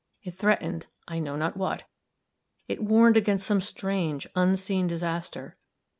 It threatened I know not what. It warned against some strange, unseen disaster.